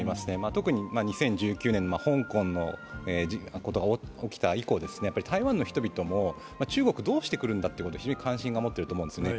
特に２０１９年、香港のことが起きて以降、台湾の人々も中国どうしてくるんだということを非常に関心を持っていると思うんですね。